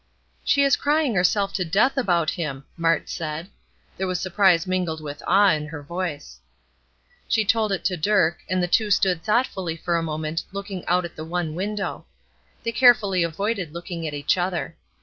"She is crying herself to death about him!" Mart said. There was surprise mingled with awe in her voice. She told it to Dirk, and the two stood thoughtfully for a moment looking out at the one window. They carefully avoided looking at each other.